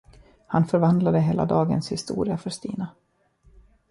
Han förvandlade hela dagens historia för Stina.